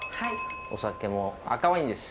お酒も赤ワインです。